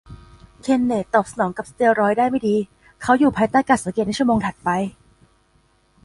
เคนเนธตอบสนองกับสเตียรอยด์ได้ไม่ดี เขาอยู่ภายใต้การสังเกตในชั่วโมงถัดไป